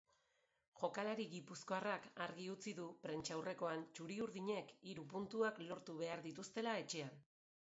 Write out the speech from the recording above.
Jokalari gipuzkoarrak argi utzi du prentsaurrekoan txuri-urdinek hiru puntuak lortu behar dituztela etxean.